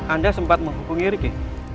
anda sempat menghubungi riki